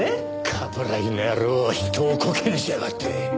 冠城の野郎人をコケにしやがって。